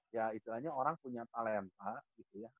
ya istilahnya orang punya talenta